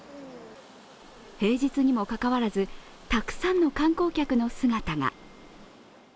平日にもかかわらず、たくさんの観光客の姿が。